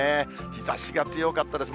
日ざしが強かったです。